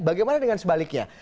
bagaimana dengan sebaliknya